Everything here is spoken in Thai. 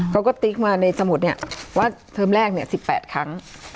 ติ๊กมาในสมุดเนี่ยว่าเทอมแรกเนี่ย๑๘ครั้ง